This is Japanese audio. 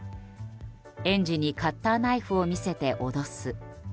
園児にカッターナイフを見せて脅す。